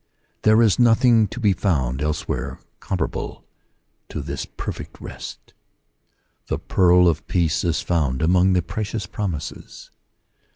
There is nothing to be found elsewhere comparable to this perfect rest. The pearl of peace is found among the precious promises.